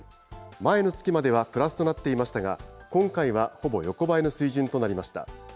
前の月まではプラスとなっていましたが、今回はほぼ横ばいの水準となりました。